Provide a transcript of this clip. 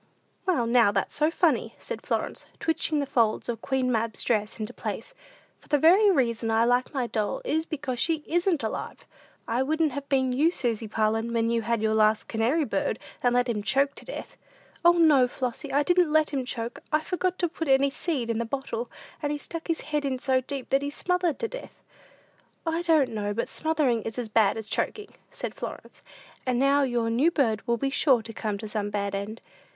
"Well, now, that's so funny!" said Florence, twitching the folds of Queen Mab's dress into place; "for the very reason I like my doll, is because she isn't alive. I wouldn't have been you, Susy Parlin, when you had your last canary bird, and let him choke to death." "O, no, Flossy, I didn't let him choke: I forgot to put any seed in the bottle, and he stuck his head in so deep, that he smothered to death." "I don't know but smothering is as bad as choking," said Florence; "and now your new bird will be sure to come to some bad end."